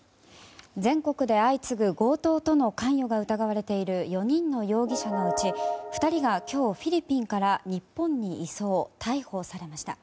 全国で相次ぐ強盗との関与が疑われている４人の容疑者のうち２人が今日、フィリピンから日本に移送・逮捕されました。